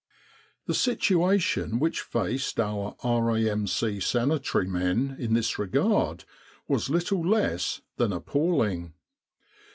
The situation which faced our R.A.M.C. sani tary men in this regard was little less than ap palling.